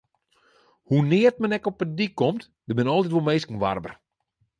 Hoenear't men ek op 'e dyk komt, der binne altyd wol minsken warber.